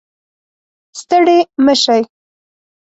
ستړې مه شئ